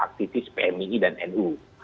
aktivis pmi dan nu